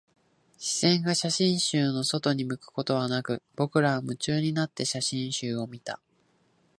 視線が写真集の外に向くことはなく、僕らは夢中になって写真集を見た